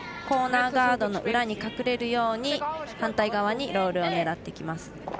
コーナーガードの裏に隠れるように反対側にロールを狙ってきます。